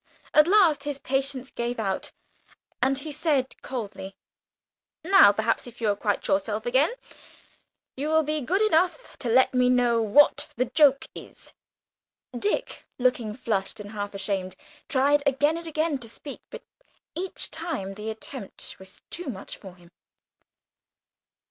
At last his patience gave out, and he said coldly, "Now, perhaps, if you are quite yourself again, you will be good enough to let me know what the joke is?" Dick, looking flushed and half ashamed, tried again and again to speak, but each time the attempt was too much for him.